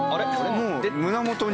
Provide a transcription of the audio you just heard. もう胸元に。